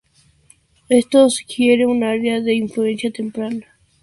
Esto sugiere un área de influencia temprana.